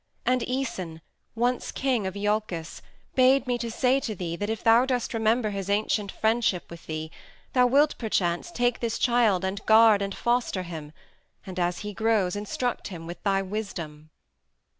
And Æson, once King of Iolcus, bade me say to thee that if thou dost remember his ancient friendship with thee thou wilt, perchance, take this child and guard and foster him, and, as he grows, instruct him with thy wisdom."